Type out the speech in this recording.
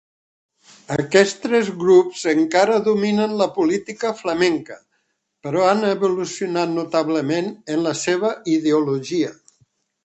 Aquests tres grups encara dominen la política flamenca, però han evolucionat notablement en la seva ideologia.